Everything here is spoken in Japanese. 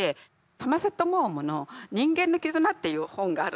サマセット・モームの「人間の絆」っていう本があるんです。